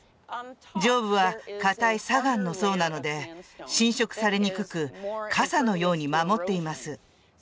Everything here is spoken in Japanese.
上部は固い砂岩の層なので侵食されにくくかさのように守っています